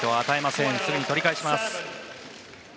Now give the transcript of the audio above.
すぐに取り返します。